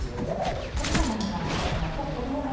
これは７七角成の一手と。